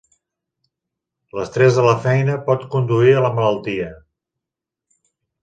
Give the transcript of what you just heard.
L'estrès a la feina pot conduir a la malaltia.